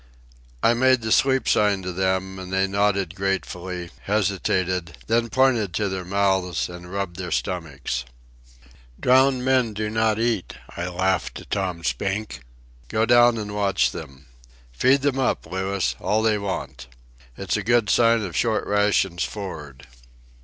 I made the sleep sign to them, and they nodded gratefully, hesitated, then pointed to their mouths and rubbed their stomachs. "Drowned men do not eat," I laughed to Tom Spink. "Go down and watch them. Feed them up, Louis, all they want. It's a good sign of short rations for'ard."